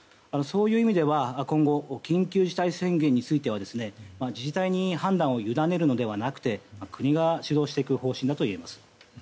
そういう意味では今後、緊急事態宣言については自治体に判断を委ねるのではなくて国が主導していく方針だといえます。